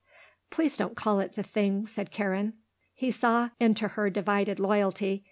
"Please don't call it the 'thing,'" said Karen. He saw into her divided loyalty.